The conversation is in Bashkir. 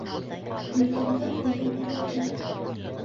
Үлгәнгә үлем бирһен